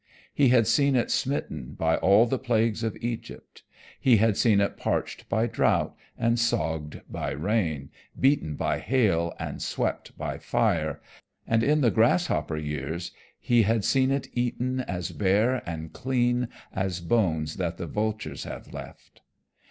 He had seen it smitten by all the plagues of Egypt. He had seen it parched by drought, and sogged by rain, beaten by hail, and swept by fire, and in the grasshopper years he had seen it eaten as bare and clean as bones that the vultures have left.